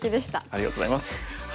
ありがとうございます。